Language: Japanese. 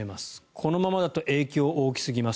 このままだと影響が大きすぎます